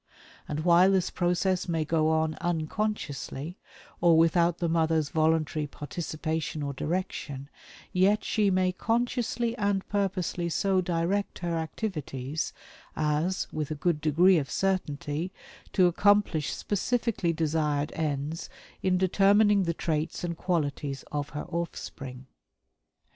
And while this process may go on unconsciously, or without the mother's voluntary participation or direction, yet she may consciously and purposely so direct her activities as, with a good degree of certainty, to accomplish specifically desired ends in determining the traits and qualities of her offspring."